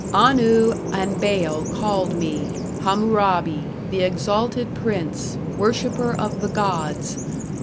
"Anu and Baal called me, Hammurabi, the exalted prince, worshipper of the gods"